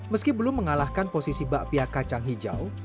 meski belum mengalahkan posisi bakpia kacang hijau